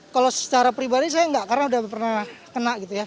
kalau secara pribadi saya enggak karena udah pernah kena gitu ya